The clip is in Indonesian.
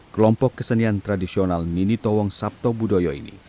kelompok kesenian tradisional minitowong sabto budoyo ini